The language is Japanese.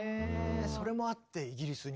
それもあってイギリスに？